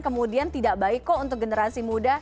kemudian tidak baik kok untuk generasi muda